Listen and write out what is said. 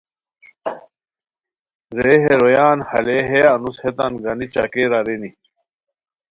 رے ہے رویان ہالے ہے انوس ہیتان گانی چاکیر ارینی،